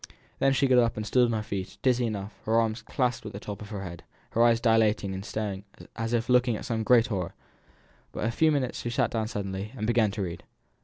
Then she got up and stood on her feet, dizzy enough, her arms clasped at the top of her head, her eyes dilated and staring as if looking at some great horror. But after a few minutes she sat down suddenly, and began to read.